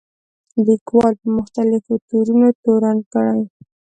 لیکوال په مختلفو تورونو تورن کړي.